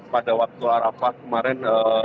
pada waktu arafah kemarin